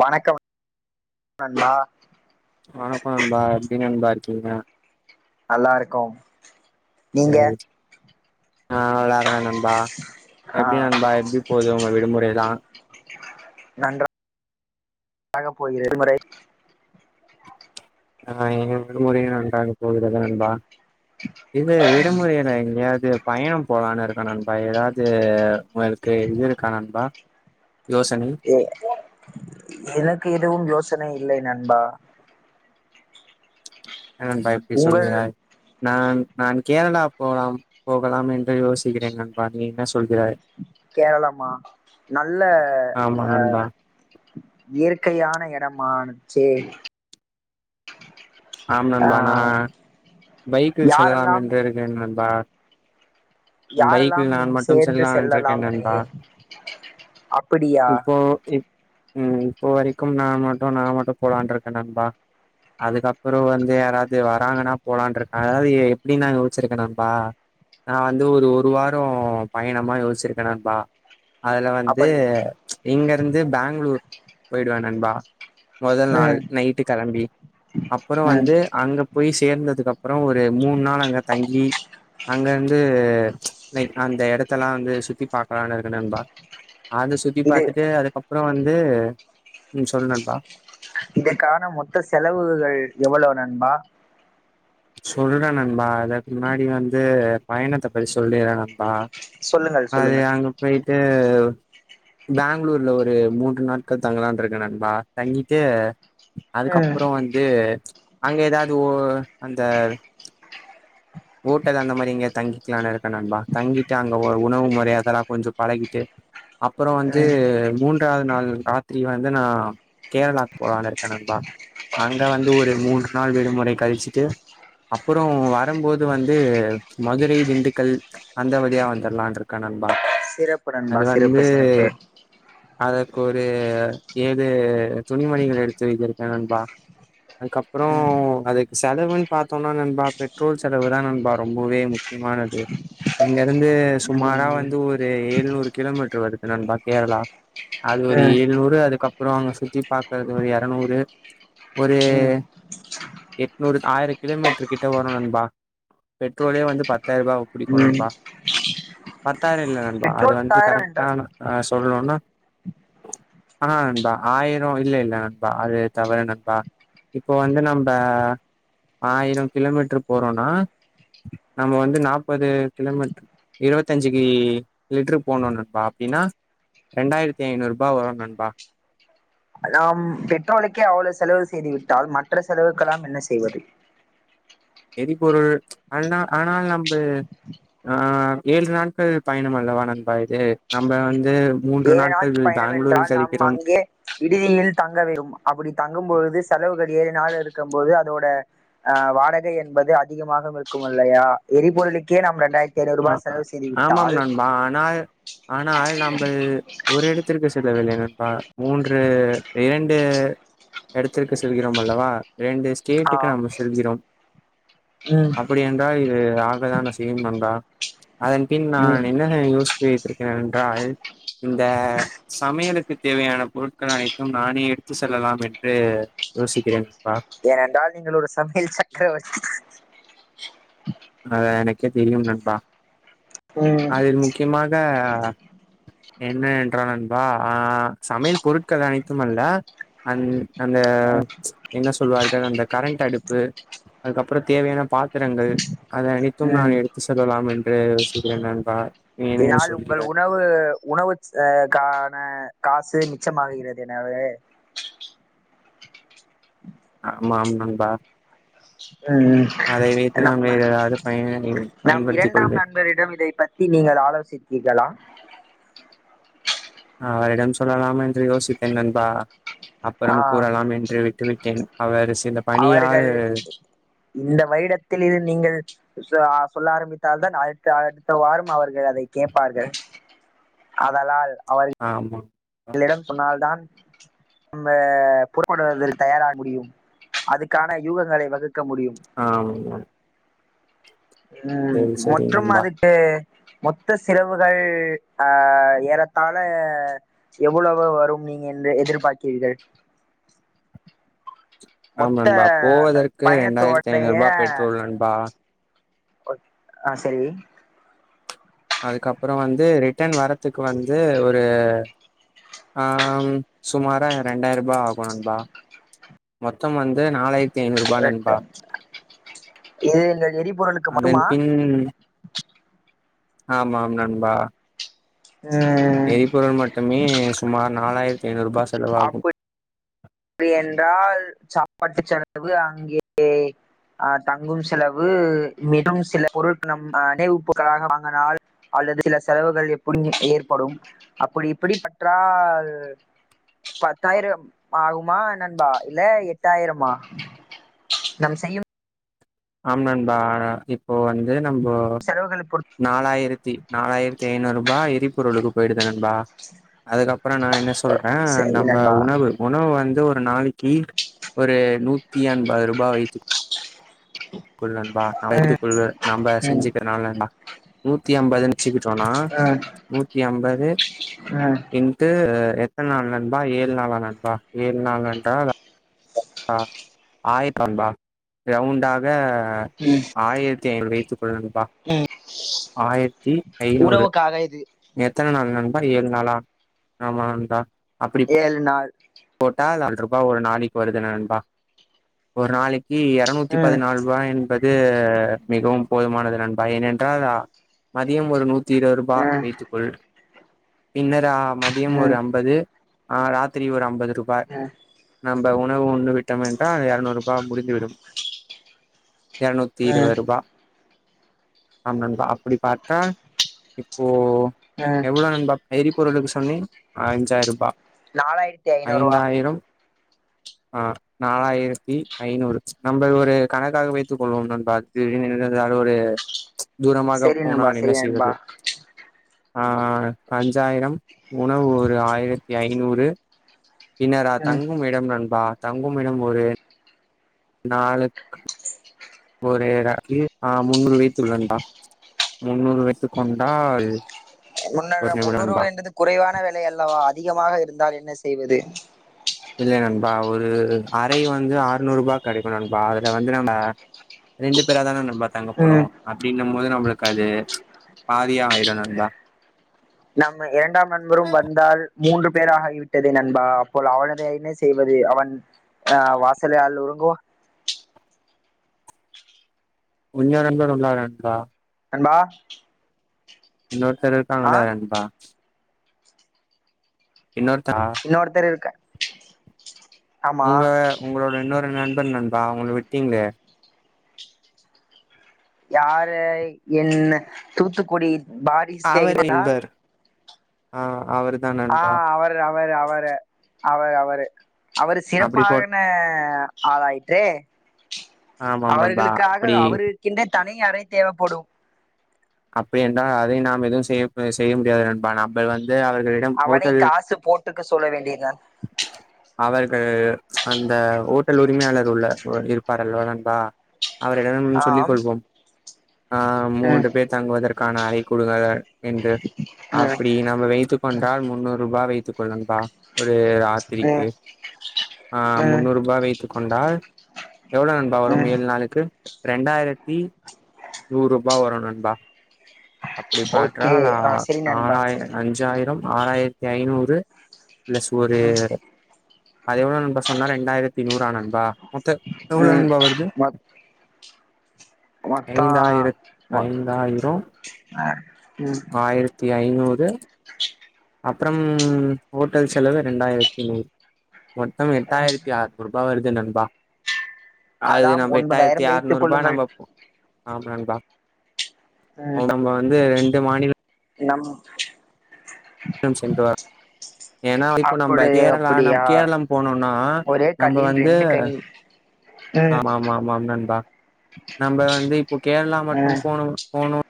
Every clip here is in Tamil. வணக்கம நா வணக்கம் நண்பா எப்டி நண்பா இருக்கீங்க நல்லாருக்கோம் நீங்க அஹ் விளாருற நண்பா ஆ எப்டி நண்பா எப்டி போது உங்க விடுமுறைலா நன்றாக போகிறது விடுமுறை அஹ் எங்க விடுமுறைலா நன்றாக போகிறது நண்பா இது விடுமுறைல எங்கயாது பயணம் போலான்னு இருக்கோ நண்பா ஏதாது உங்களுக்கு இது இருக்கா நண்பா யோசனை எ எனக்கு எதுவும் யோசனை இல்லை நண்பா என்ன நண்பா இப்டி உங்கள் சொல்கிறாய் நான் நான் கேரளா போலாம் போகலாம் என்று யோசிக்கிறேன் நண்பா நீ என்ன சொல்கிறாய் கேரளமா நல்ல ஆமா நண்பா அஹ் இயற்கையான எடமாச்சே ஆம் நண்பா நா பைக்கில் செல்லலாம் யாரெல்லாம் என்று இருக்கிறேன் நண்பா யாரெல்லாம் பைக்கில் நான் மட்டும் சேர்ந்து செல்லலான்ரிக்கேன் செல்லலாம் நண்பா என அப்படியா இப்போ இப் ம் இப்போ வரைக் கும் நா மட்டும் நா மட்டும் போலான்ரிக்க நண்பா அதுக்கப் குரு வந்து யாராது வராங்கன்னா போலான்ருக் அதாவது எப்டின் நாங்க யோச்சிருக்கோ நண்பா நா வந்து ஒரு ஒரு வாரோ பயணமாரி யோஸ்ச்சிருக்க நண்பா அதுல அப்ப வந்து இங்கருந்து பெங்களூர் போயிடுவ நண்பா முதல் நாள் ம் நைட்டு கெளம்பி அப்புறோ ம் வந்து அங்க போய் சேர்ந்து ததுக்கு அப்புறோ ஒரு மூண் நாள் அங்க தங்கி அங்க வந்து லைக் அந்த எடத்தல்லா வந்து சுத்தி பாக்கலான்னு இருக்க நண்பா அத சுத்தி இது பாத்துட்டு அதுக்கப்புறோ வந்து ம் சொல் நண்பா இதுக்கான மொத்த செலவுகள் எவ்வளவு நண்பா சொல்றேன் நண்பா அதுக்கு முன்னாடி வந்து பயணத்தை பத்தி சொல்லிறேன் நண்பா சொல்லுங்கள் அது சொல்லுங்கள் அங்க போயிட்டு பெங்களூர்ல ஒரு மூன்று நாட்கள் தங்கலான்னு இருக்கேன் நண்பா தங்கிட்டு ம் அதுக்கப்புறோ வந்து அங்க ஏதாவது ஓ அந்த ஓட்டல் அந்த மாரி எங்கியாது தங்கிக்கலாம்னு இருக்கேன் நண்பா தங்கிட்டு அங்க உ உணவு முறை அதெல்லாம் கொஞ்சோ பழகிட்டு அப்புறோ வந்து ம் மூன்றாவது நாள் ராத்திரி வந்து நான் கேரளாக்கு போலான்னு இருக்கேன் நண்பா அங்க வந்து ஒரு மூன்று நாள் விடுமுறை கழிச்சுட்டு அப்புறோ வரும்போது இது வந்து மதுரை திண்டுக்கல் அந்த வழியா வந்துரலாம் இருக்கே நண்பா சிறப்பு நண்பா அது வந்து சிறப்பு சிறப்பு அதற்கு ஒரு ஏது துணிமணிகள் எடுத்து வைத்திருக்கேன் நண்பா அதுக்கப்புறோம் ம் அதுக்கு செலவுன்னு பா்த்தோம்னா நண்பா பெட்ரோல் செல செலவுதான் நண்பா ரொம்பவே முக்கியமானது இங்க இருந்து ம் ம் சுமாரா வந்து ஒரு ஏழுநூறு கிலோமீட்டரு வருது நண்பா கேரளா அது ஒரு ஏழுநூறு அதுக்கப் அப்புறோ அங்க சுத்தி பாக்கறது ஒரு இரநூறு ஒரு எட்நூறு ஆயிரம் கிலோமீட்டரு கிட்ட வரும் நண்பா பெட்ரோலே வந்து பத்தாயிரம் ரூவா புடிக்கும் ம் நண்பா பத்தாயிரம் இல்ல நண்பா அது பெட்ரோல் வந்து பத்தாயிரம் கரெக்டா என்றார் நா சொல்லணுன்னா ஆஹ் நண்பா ஆயிரம் இல்ல இல்ல நண்பா அது தவறு நண்பா இப்போ வந்து நம்ப ஆயிரோ கிலோமீட்ரு போறோனா நம்ம வந்து நாப்பது கிலோமீட்ரு இருவத்தஞ்சிக்கி லிட்ரு போட்னோ நண்பா அப்டீனா ரெண்டாய்ரித்தி ஐந்நூருபா வரு நண்பா நாம் பெட்ரோலுக்கே அவ்ளோ செலவு செய்து விட்டால் மற்ற செலவுக்கு கெலாம் என்ன செய்வது எரிபொருள் ஆனா ஆனால் நம்ப அ ஏள்று நாட்கள் பயணம் அல்லவா நண்பா இது நம்ப வந்து மூன்று ஏழு நாட்கள் நாட்க பயணம் பெங்களூரில் என்றால் நாம் கழிக்கிறோம் அங்கே விடுதியினில் தங்க வெறும் அப்புடி தங்கும் பொழுது செலவுகள் ஏழு நாள் இருக்கம் போது அதோட அ வாடகை என்பது அதிகமாகு இருக்கும் அல்லையா எரிபொருளுக்கே நம் ரெண்டாய்ர் அ அ ஆமாம் நண்பா ஆனால் ஆனால் நம்பல் து ஒரு இடத்திற்கு செல்லவில்லை நண் பா மூன்று இரண்டு இடத்திற்கு சொல்கிறோம் அல்லவா ரெண்டு ஸ்டேட்டுக்கு ஆஹ் நம்ம செல்கிறோம் உம் அப்படி என்றால் இது ஆகதான செய்யும் நண்பா அதன் பின் உம் நான் என்ன யோசித்து வைத்திருக்கேன் என்றால் இந்த சமையலுக் கு தேவையான பொருட்கள் அனைத்தும் நானே எடுத்து செல்லலாம் என்று யோசுக்கிறேன் நண்பா ஏனென்றால் நீங்கள் ஒரு சமையல் சக்கரவர்த்தி அது எனக்கே தெரியும் நண்பா உம் அதில் முக்கியமாக என்ன என்றால் நண்பா அ சமையல் பொருட்கள் அனைத்தும் அல்ல அந் அந்த என்ன சொல்லுவார்கள் அந்த கரண்டடுப்பு அதுக்கப்புறோ தேவையான பாத்திரங்கள் அதை அனைத்தும் உம் நான் எடுத்து செல்லலாம் என்று யோசிக்கிறேன் நண்பா நீ என்ன இதனால் உங்கள் சொல்கிறாய் உணவு உணவு அ க்கான காசு மிச்சமாகிறது எனவே ஆமாம் நண்பா ம் அதை வைத்து நாம் நம்ம வேற ஏதாவது பயன் நம் பயன்படுத்திக் இரண்டாம் கொள்ள நண்பரிடம் இதை பத்தி நீங்கள் ஆலோசித்தீர்களா அ அவரிடம் சொல்லலாம் என்று யோசித்தேன் நண்பா ஆ அப்பறம் கூறலாம் என்று விட்டுவிட்டேன் அவர் சில பணியால் அவர்கள் இந்த வருடத்தில் இருந்து நீங்கள் சா சொல்ல ஆரம்பித்தால் தான் அழுத்த அடுத்த வாரம் அவர்கள் அதை கேட்பார்கள் ஆதலால் ஆமாம் ங்களிடம் சொன்ன்ல்தான் நம்ப புறப்படுவதில் தயாராக முடியும் அதுக்கான யூகங்களை வகு ஆமா ம் மற்றும் நண்பா அதுக்கு மொத்த சிரவுகள் அ ஏறத்தால எவ்வளவு வரும் நீங்க என்று எதிர்பார்க்கீர்கள் ஆமா மொத்த ண்பா போவதற்கு ரெண்டாய்ர்த்தி பயணத்தோடைய ஐநூருபா பெட்ரோல் நண்பா ஓக் அ செரி அதுக்கப்புறோ வந்து ரிட்டன் வரதுக் வந்து ஒரு அ சுமார ம் ரெண்டாய்ருபா ஆகோ நண்பா மொத்தம் வந் நாலாய்ர்த்தி ஐநூருபா நண்பா இது இந்க எரிபொருளுக்கு அதன் மட்டுமா பின் ஆமாம் நண்பா ம் எரிபொருள் மட்டுமே சுமார் நாலாய்ர்த்தி ஐநூருபா செலவாகு அப்டி என்றால் சாப்பாட்டு செலவு அங்கே அ தங்கும் செலவு [unintelligible] சில பொருட்கள் நம் அ நினைவுப் பொருட்களாக வாங்கினால் அ ல்லது சில செலவுகள் எப்படி [inaudible] ஏற்படும் அப்படி இப்படி பற்றால் பத்தாயிரம் ஆகுமா என்னண்பா இல்ல எட்டாயிரமா நம செய்யும் ஆம்னன்பா இப்போ வந்து நம்ம செலவுகளை பொறுத்து நாலாயிரத்தி நாலாயிரத்தி ஐநூறு ரூபா் எரிபொருளுக்கு போயிடுது நண்பா அதுக்கப்புறம் நான் என்ன சொல்றேன் சரி நம்ம நண்பா உணவு உணவு வந்து ஒரு நாளைக்கு ஒரு நூத்தி ஐம்பது ரூபாய் வைத்து கொல் நண்பா எடுத்துக்கொள் நம்ப ம் செஞ்சுக்கிரதுநல நூத்தி ஐம்பது வச்சுக்கிட்டோனா ம் நூத்தி ஐம்பது ம் இன்டு எத்தனை நாள் நண்பா ஏழு நாலா நண்பா ஏழு நாள் என்றால் ஆ ஆயிரத்தபா ரவுண்டாக ம் ஆயிரத் ஐம்பது [unintelligible] நண்பா ம் ஆயிரத்தி ஐந்நூறு உணவுக்காக இது எத்தனை நாள் நண்பா ஆ ஏழு நாளா ஆமாடா ஏலு நா போட்டா நால ரூபாயா் ஒரு நாளைக்கு வருது நண்பா ஒரு நாளைக்கு இ இருரநூத்தி ம் பதினாலு ரூபாய் என்பது மிகவும் போதுமானது நண்பா ஏனென்றால் மதியம் ஒரு நூத்தி இருபது ரூபாய் ம் வைத்துக்கொள் பின்னர் மதியம் ஒரு ம் அம்பது ஆஹ் ராத்திரி ஒரு அம்பது து ரூபாய் ம் நம் உணவு உண்டு விட்டோம் என்றால் இருரநூறு ரூபாய் முடிந்துவிடும் இருரநூத்தி ம் இருபது ரூபாய் ஆ அப்படி பார்த்தா இப்போ ம் எவ்வளோ நண்பா எரி பொருளுக்கு சொன்னேன் அஞ்சாயிரம் ரூபா நாலாயிரத்தி ஐநூறுவா ஐந்தாயிரம் ஆ நாலாயிரத்தி ஐநூறு நம்ம ஒரு கணக்காக வைத்துக் கொள்வோம் நண்பா [unintelligible] ஒரு தூரமாகப் சரி நண்பா போனால் என்ன சரி நண்பா செய்வது அஞ்சாயிரம் உணவு ஒரு ஆயிரத்தி ஐநூறு இனரா ம் தங்கும் இடம் நண்பா தங்கும் இடம் ஒரு நாலுக் ஒரு ரா இ ஆ முந்நூறு வயத்துள்ள நண்பா முன்னூறு வைத்து கொண்டா இது முன்னாக முன்னூறு ரூபாய் என்றது குறைவான விலை அல்லவா அதிகமாக இருந்தால் என்ன செய்வது இல்ல நண்பா ஒரு அரை வந்து ஆறுநூறு ரூபாக் கிடைக்கும் நண்பா அதுல வந்து நம்ம ரெண்டு பேரா தானே நண்பான் தங்க ம் போறோம் அப்டின்னும் போது நம்மளுக்கு அது பாதியா ஆயிடும் நண்பா நம்ம இரண்டாம் நண்பரும் வந்தால் மூன்று பேர் ஆகி விட்டதே நண்பா அப்போல் அவனையதே என்னே செய்வது அவன் அஹ் வாசல்லய உரங்குவா உஞ்சா நண்பர்கள் உள்ளார் என்றா நண்பா இன்னொருத்தர் ஆ இருக்காங்கள்ள நண்பா இன்னொருத்தா இன்னொருத்தர் இருக்கா உங்க உங்களோட இன்னொரு நண்பர் நண்பா அவுங்கள விட்டீங்களே யார என் தூத்துக்குடி பாரி ஸ்நேகிதனா ஆஹ் அவருத் ஆஹ் அவரு அவரு அவரு அவரு அவரு அவரு அப்டி போட் சிறப்பாகன்ன ஆளாய்யிற்றே ஆமாம் நண்பா அவர்களுக்காக அப்டி அவருக்கென்ற தனி அறை தேவைப்படும் அப்படி என்றால் அதை நாம் எதுவு செய்ய அ செய்ய முடியாது நண்பா நம்பள் வந் து அவர்களிடம் அவனை ஹோட்டலில் காசு போட்டுக்க சொல்ல வேண்டியதுதான் அவர் ஆ அந்த ஓட்டல் உரிமையாளர் உள்ள இருப்பாரல்வா நண்பா அவரிடம் சொல்லிக் ஆம் கொள்வோம் ஆ ம் மூன்று பேர் தங்குவதற்கான அறை கொடுங்க என்று ம் அப்படி நம்ம வைத்துக் கொண்டால் முன்னூறு ரூபாய் வைத்துக் கொள் நண்பா ஒரு ரு ராத்திரிக்கு ஆ ம் முன்னூறு ரூபா வைத்து கொண்டால் எவ்ளோ நண்பா ம் வரும் ம் ஏழு நாளுக்கு ரெண்டாயிரத்தி நூறு ரூபா வரு நண்பா அப்படி ஓகே பாற்றால் அ ஆ சரி நண்பா ஆறாய அஞ்சாயிரம் ஆறாயிரத்தி ஐநூறு ப்ளஸ் ஒரு அது எவ்ளோ நண்பா சொன்னாரு ரெண்டாயிரத்தி நூறா நண்பா மொத்தோ எவ்ளோ ம் நண்பா வருது மொத் மொத்தோ ஐந்தாயிரத் மோ ஐந்தாயிரோ அ ம் ஆயிரத்தி ஐநூறு அப்புறம் ஹோட்டல் செலவு ரெண்டாயிரத்தி நூர் மொத்தம் எட்டாயிரத்தி ஆறு நூறு ரூபா வருது நண்பா அது அதாம் நம்ம எட்டாயிரத்தி ஒன்பதாயிரம் வைத்துக் ஆறுநூறு ரூபா கொள்ளுங்கள் நம்போ ஆமா நண் பா ம் நம்ம வந்து ரெண்டு மாநில நம் னும் சென்று வா ஏனா இப்போ நம்ப அப்படி கேரளா நம் அப்படியா கேரளம் போனோம்னா ஒரே நம்ம கல்லில் வந்து ரெண்டு கனி ம் ஆமாம் ஆமாம் நண்பா நம்ப வந்து இப்போ கேரளா மட்டும் ம் போனோம் போனோம்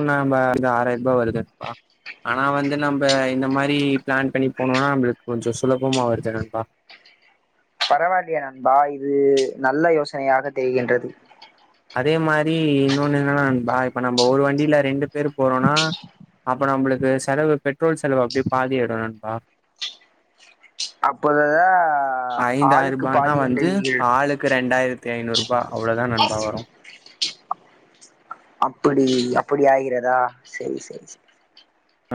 ம்னா நம்ப இந்த ஆறாயிர ரூபா வருது நண்பா ஆனா வந்து நம்ப இந்த மாரி பிளான் பண்ணி போனோம்னா நம்மளுக்கு கொஞ்சோ சுலபமா வருது நண்பா பரவால்லயே நண்பா இது நல்ல யோசனையாக தெரிகின்றது அதே மாரி இன்னொன்னு என்னன்னா நண்பா இப்ப நம்ப ஒரு வண்டியில ரெண்டு பேரு போறோன்னா அப்ப நம்பளுக்கு செலவு பெட்ரோல் செலவு அப்டியே பாதியாயிடும் நண்பா அப்போது தா ஐந்தாயிரூபானா வந்து ஆளுக்கு ரெண்டாயிரத்தி ஐநூறு ரூபா அவ்ளோதா நண்பா வரு அப்படி அப்படி ஆகிறதா செரி செரி செ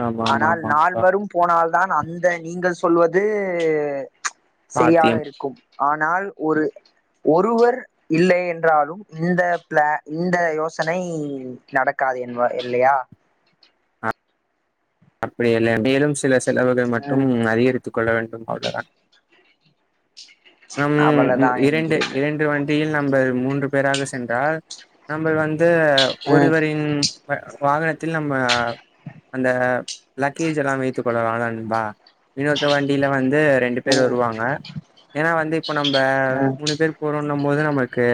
ஆமா ஆமா ஆனால் ஆமா நண்பா நால்வரும் போனால்தான் அந்த நீங்கள் சொல்வது செரியாக சாத்தியம் இருக்கும் ஆனால் ஒரு ஒருவர் இல்லை என்றாலும் இந்த பிள இந்த யோச தனை நடக்காது என்வா இல்லயா அப்டியல்ல மேலும் சில செலவுகள் மட்டும் ம் அதிகரித்து கொள்ள வேண்டும் அவ்ளதான் நம் ம் அவ்வளவுதான் இரண்டு என்கிறீர்கள் இரண்டு வண்டியில் நம்பல் மூன்று பேராக சென்றால் நம்பல் வ து ம் ஒருவரின் வ வாகனத்தில் நம்ப அந்த லக்கேஜ் எல்லா வைத்துக்கொள்ளலா நண்பா இன்னொருத்த வண்டில வந் ந்து ரெண்டு பேர் ம் வருவாங்க ஏனா வந்து இப்ப நம்ப ம் மூணு பேர் போறோன்ன மோது நமக்கு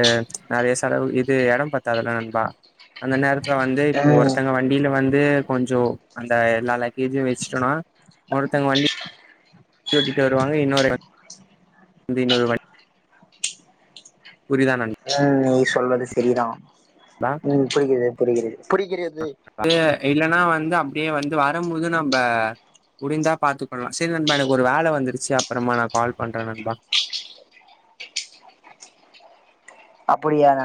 நறய செலவு இது எடம் பத்தாதுல்ல நண்பா அந்த நேரத்ல வந்து இப்போ ம் ஒருத்தங்க வண்டில வந் ந்து கொஞ்சோ அந்த எல்லா லக்கேஜு வெஸ்டோனா ஒருத்தங் வண்டி ஓட்டிட்டு வருவாங்க இன்னொரு ந்து இன்னொரு வண் ம் நீ சொல்வது செரிதா ம் புரிகிறது புரிகிறது புரிகிறது ந்து அப்டியே வந்து வரம்போது நம்ப முடிந்தா பாத்துக்கொள்லா செரி நண்பா எனக்கொரு வேல வந்துருச்சு அப்பறமா நா கால் பண்ற நண்பா அப்புடியாங்க